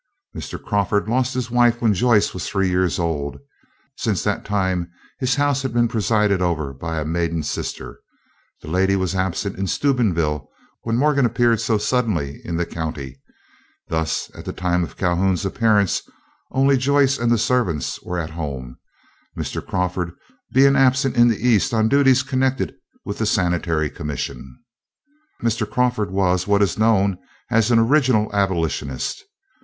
Mr. Crawford lost his wife when Joyce was three years old; since that time his house had been presided over by a maiden sister. This lady was absent in Steubenville when Morgan appeared so suddenly in the county; thus at the time of Calhoun's appearance only Joyce and the servants were at home, Mr. Crawford being absent in the east on duties connected with the Sanitary Commission. Mr. Crawford was what is known as an original Abolitionist.